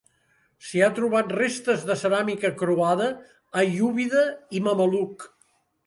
S'hi ha trobat restes de ceràmica croada, aiúbida i mameluc.